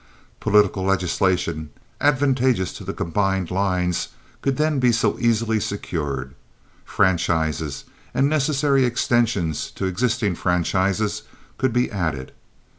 Political legislation, advantageous to the combined lines, could then be so easily secured. Franchises and necessary extensions to existing franchises could be added.